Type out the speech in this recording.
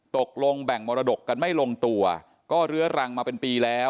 ตกลงแบ่งมรดกกันไม่ลงตัวก็เรื้อรังมาเป็นปีแล้ว